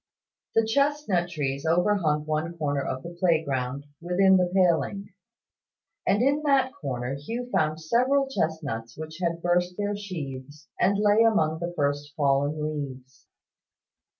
The chestnut trees overhung one corner of the playground, within the paling: and in that corner Hugh found several chestnuts which had burst their sheaths, and lay among the first fallen leaves.